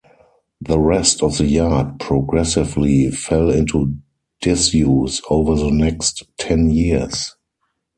The rest of the yard progressively fell into disuse over the next ten years.